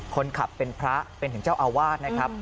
คนขับเป็นพระเป็นถึงเจ้าอาวาสนะครับ